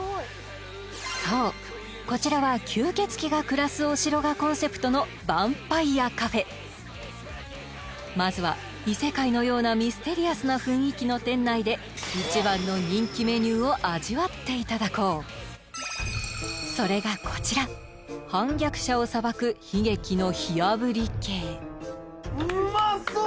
そうこちらは吸血鬼が暮らすお城がコンセプトのまずは異世界のようなミステリアスな雰囲気の店内で一番の人気メニューを味わっていただこうそれがこちらうまそう！